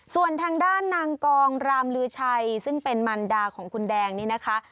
ส่วนทางด้านนางกองรามลือชัยซึ่งเป็นมันดาของคุณแดงนี่นะคะ